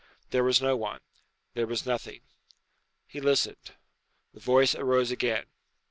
There was no one. There was nothing. He listened. The voice arose again.